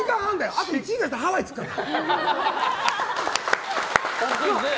あと１時間したらハワイ着くから。